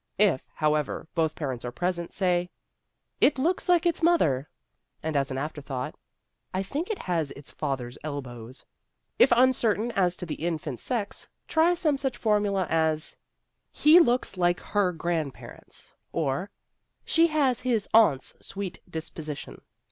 If, however, both parents are present, say, "It looks like its mother." And, as an afterthought, "I think it has its father's elbows." If uncertain as to the infant's sex, try some such formula as, "He looks like her grandparents," or "She has his aunt's sweet disposition."